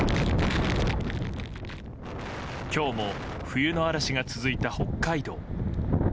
今日も冬の嵐が続いた北海道。